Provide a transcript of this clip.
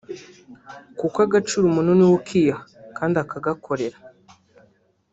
kuko agaciro umuntu niwe ukiha kandi akagakorera